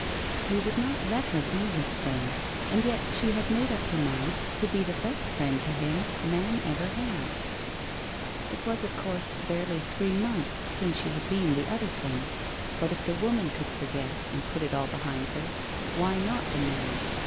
He would not let her be his friend, and yet she had made up her mind to be the best friend to him man ever 332 WHITE ROSE OF WEARY LEAF had. It was, of course, barely three months since she had been the other thing, but if the woman could forget and put it all behind her, why not the man?